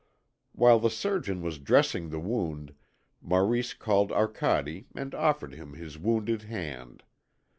While the surgeon was dressing the wound Maurice called Arcade and offered him his wounded hand.